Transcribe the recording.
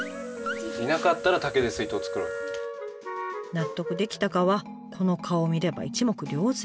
納得できたかはこの顔を見れば一目瞭然。